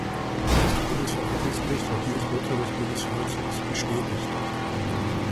Das Bundesverfassungsgericht hat dieses Urteil des Bundesfinanzhofs bestätigt.